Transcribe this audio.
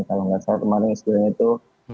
kalau nggak salah kemarin istilahnya itu